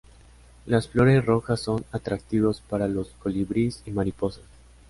Las flores rojas son atractivos para los colibríes y mariposas.